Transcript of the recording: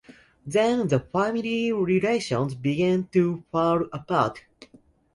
Then the family relations begin to fall apart.